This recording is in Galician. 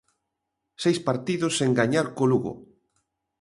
Seis partidos sen gañar co Lugo.